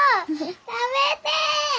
食べてえ！